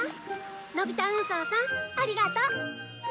「のび太運送さんありがとう」